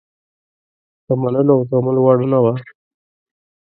د منلو او زغملو وړ نه وه.